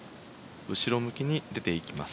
後ろ向きに出て行きます。